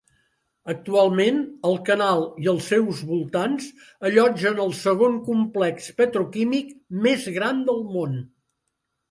Actualment, el canal i els seus voltants allotgen el segon complex petroquímic més gran del món.